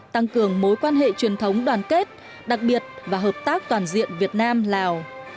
tăng cường mối quan hệ truyền thống đoàn kết đặc biệt và hợp tác toàn diện việt nam lào